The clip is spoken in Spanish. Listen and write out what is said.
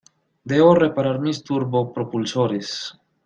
Debo reparar mis turbopropulsores.